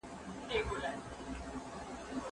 ته مرور مرور ګرځې